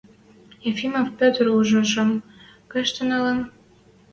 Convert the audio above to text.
– Ефимов Петр ӱшӹжӹм кышты нӓлӹн?